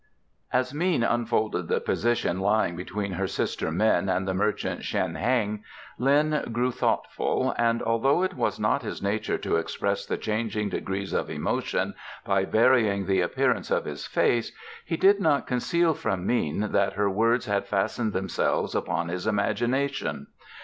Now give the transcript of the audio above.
As Mean unfolded the position lying between her sister Min and the merchant Shen Heng, Lin grew thoughtful, and, although it was not his nature to express the changing degrees of emotion by varying the appearance of his face, he did not conceal from Mean that her words had fastened themselves upon his imagination.